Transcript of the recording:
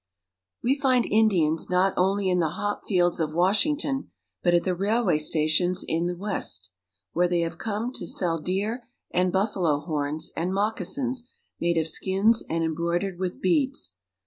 WE find Indians not only in the hop fields of Wash ington, but at the railroad stations in the West, where they have come to sell deer and buffalo horns, and moccasins made of skins and embroidered with beads.